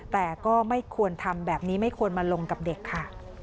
แต่ก็ไม่ควรทำแบบนี้ไม่ควรมาลงกับเด็กค่ะ